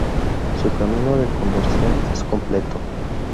Su camino de conversión es completo.